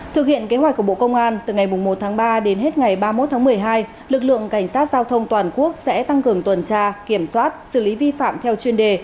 thực hiện kế hoạch của bộ công an từ ngày một tháng ba đến hết ngày ba mươi một tháng một mươi hai lực lượng cảnh sát giao thông toàn quốc sẽ tăng cường tuần tra kiểm soát xử lý vi phạm theo chuyên đề